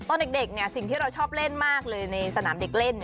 ตอนเด็กสิ่งที่เราชอบเล่นมากเลยในสนามเด็กเล่น